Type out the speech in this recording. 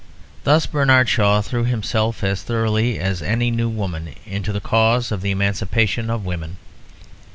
Thus Bernard Shaw threw himself as thoroughly as any New Woman into the cause of the emancipation of women.